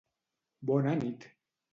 Bona nit.